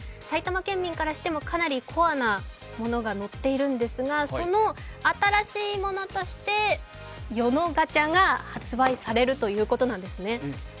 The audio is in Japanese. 埼玉県民からしてもかなりコアなものが載っているんですがその新しいものとして与野ガチャが発売されるということなんですね。